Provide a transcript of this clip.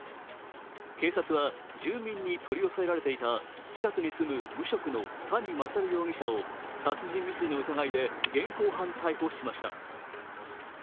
警察は住民に取り押さえられていた近くに住む無職の谷勝容疑者を殺人未遂の疑いで現行犯逮捕しました。